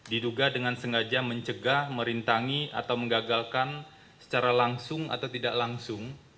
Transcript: diduga dengan sengaja mencegah merintangi atau menggagalkan secara langsung atau tidak langsung